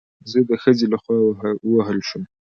زه د ښځې له خوا ووهل شوم